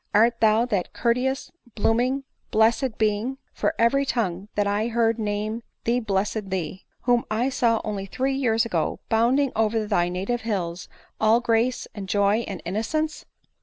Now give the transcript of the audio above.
Art thou that courteous, blooming, blessed being, (for every tongue that I heard name thee blessed thee,) whom I saw only three years ago bounding oVer thy native hills, all grace, and joy, and innocence